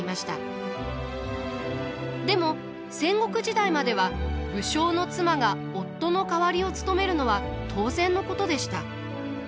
でも戦国時代までは武将の妻が夫の代わりを務めるのは当然のことでした。